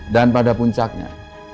dan pada puncaknya